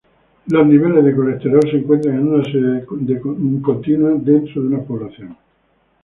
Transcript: Los niveles de colesterol se encuentran en una serie continua dentro de una población.